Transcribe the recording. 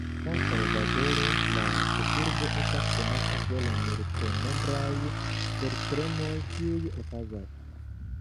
San-Salvadoro, la ĉefurbo, estas konata pro la multnombraj tertremoj kiuj okazas.